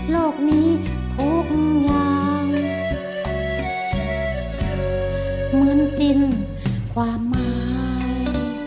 โลกนี้ทุกอย่างเหมือนสิ้นความหมาย